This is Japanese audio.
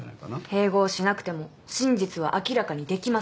併合しなくても真実は明らかにできます。